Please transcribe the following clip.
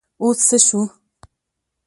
اوس څه شو ؟